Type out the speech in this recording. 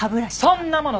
そんなもの